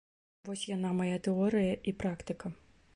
Вось яна, мая тэорыя і практыка.